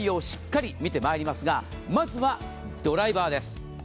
しっかり見て参りますがまずはドライバーです。